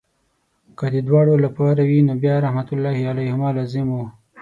که د دواړو لپاره وي نو بیا رحمت الله علیهما لازم وو.